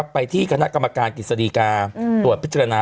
ไปที่คณะกรรมการกฤษฎีกาตรวจพิจารณา